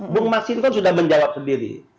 bung mas iston sudah menjawab sendiri